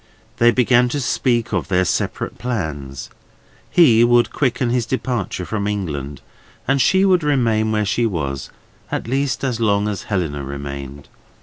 They began to speak of their separate plans. He would quicken his departure from England, and she would remain where she was, at least as long as Helena remained.